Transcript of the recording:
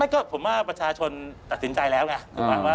ไม่ก็ผมว่าประชาชนตัดสินใจแล้วไง